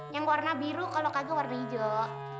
yang warna biru kalau kago warna hijau